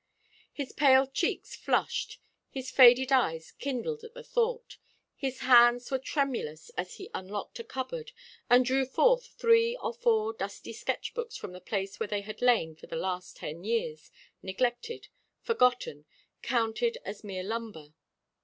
His pale cheeks flushed, his faded eyes kindled at the thought. His hands were tremulous as he unlocked a cupboard, and drew forth three or four dusty sketch books from the place where they had lain for the last ten years, neglected, forgotten, counted as mere lumber.